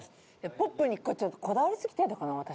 ポップにちょっとこだわりすぎてるのかな私。